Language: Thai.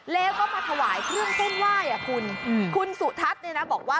แล้วก็มาถวายเครื่องต้นว่ายคุณสุทัศน์บอกว่า